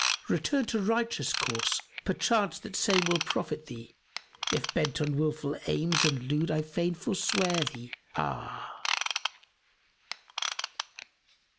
Return to righteous course; perchance that same will profit thee; * If bent on wilful aims and lewd I fain forswear thee, ah!"